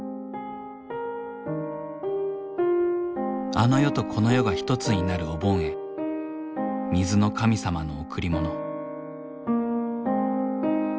あの世とこの世が一つになるお盆へ水の神様の贈り物。